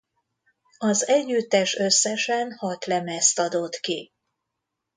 Az együttes összesen hat lemezt adott ki.